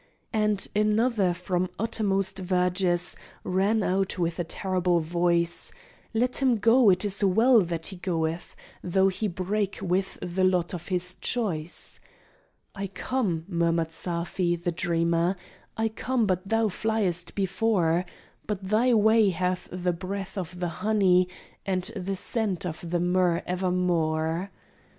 And another from uttermost verges Ran out with a terrible voice "Let him go it is well that he goeth, Though he break with the lot of his choice!" "I come," murmured Safi, the dreamer, "I come, but thou fliest before: But thy way hath the breath of the honey, And the scent of the myrrh evermore."